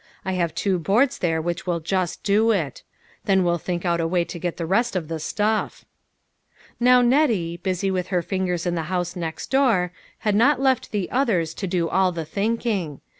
I have two boards there which will just do it. Then we'll think out a way to get the rest of the stuff." Now Nettie, busy with her fingers in the house next door, had not left the others to do all the thinking.